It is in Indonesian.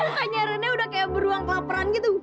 mukanya rennya udah kayak beruang kelaparan gitu